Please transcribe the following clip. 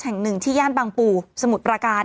ได้จำเป็นตัวทำยนต์